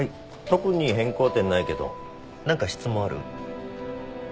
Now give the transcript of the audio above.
特に変更点ないけど何か質問ある？